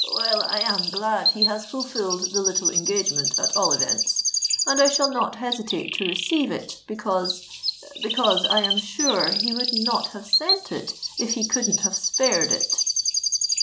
"Well, I am glad he has fulfilled the little engagement, at all events; and I shall not hesitate to receive it, because—because I am sure he would not have sent it, if he couldn't have spared it."